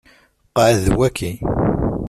Qɛed waki.